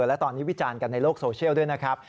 และตอนนี้วิจารณ์กันในโลกโซเชียลด้วยนะครับ